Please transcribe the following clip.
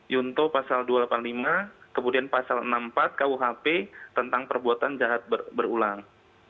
yunto pasal dua ratus delapan puluh lima kemudian pasal enam puluh empat kuhp tentang perbuatan jahat berulang